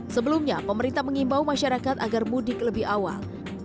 sebelumnya pemerintah mengimbau masyarakat agar mudik lebih awal